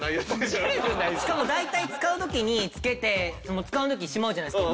しかも大体使う時に付けて使わん時しまうじゃないですか。